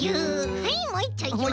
はいもういっちょいきます。